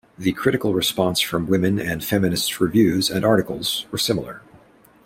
The critical response from women and feminist's reviews and articles were similar.